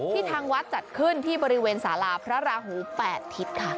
ทางวัดจัดขึ้นที่บริเวณสาราพระราหู๘ทิศค่ะ